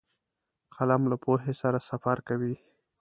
قلم له پوهې سره سفر کوي